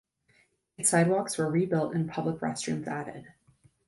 Its sidewalks were rebuilt and public restrooms added.